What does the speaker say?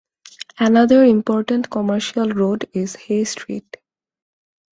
Another important commercial road is Hay Street.